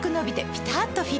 ピタっとフィット！